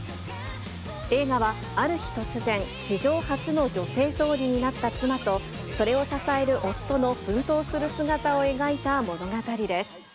映画はある日突然、史上初の女性総理になった妻と、それを支える夫の奮闘する姿を描いた物語です。